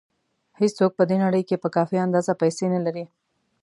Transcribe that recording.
هېڅوک په دې نړۍ کې په کافي اندازه پیسې نه لري.